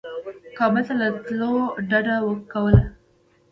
کابل ته له تللو ډده کوله.